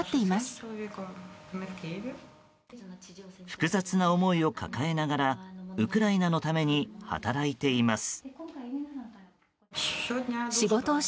複雑な思いを抱えながらウクライナのために働いています。